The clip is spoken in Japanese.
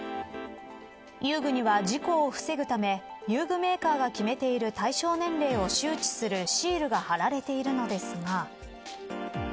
遊具には事故を防ぐため遊具メーカーが決めている対称年齢を周知するシールが貼られているのですが。